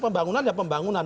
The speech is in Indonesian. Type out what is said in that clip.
pembangunan ya pembangunan